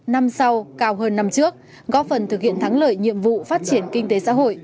năm sau cao hơn năm trước góp phần thực hiện thắng lợi nhiệm vụ phát triển kinh tế xã hội